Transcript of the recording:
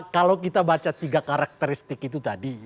kalau kita baca tiga karakteristik itu tadi